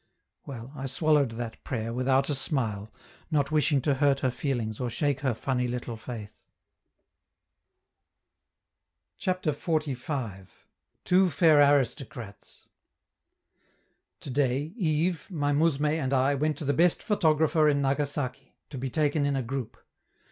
Well, I swallowed that prayer without a smile, not wishing to hurt her feelings or shake her funny little faith. CHAPTER XLV. TWO FAIR ARISTOCRATS Today, Yves, my mousme and I went to the best photographer in Nagasaki, to be taken in a group.